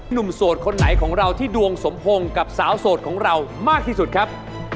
โสดคนไหนของเราที่ดวงสมพงษ์กับสาวโสดของเรามากที่สุดครับ